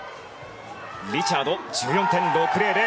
リチャード、１４．６００。